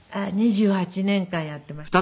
２８年間やっていました。